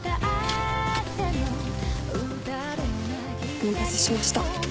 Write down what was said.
お待たせしました。